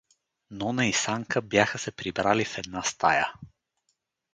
Нона и Санка бяха се прибрали в една стая.